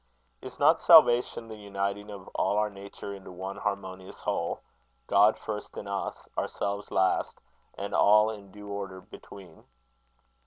Is not salvation the uniting of all our nature into one harmonious whole God first in us, ourselves last, and all in due order between?